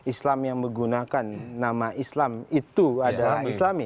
islam yang menggunakan nama islam itu adalah islami